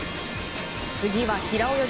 次は平泳ぎ。